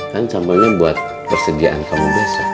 kan contohnya buat persediaan kamu besok